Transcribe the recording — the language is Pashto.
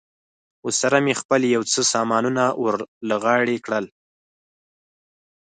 ورسره مې خپل یو څه سامانونه ور له غاړې کړل.